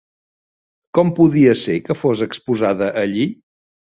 Com podia ser que fos exposada allí?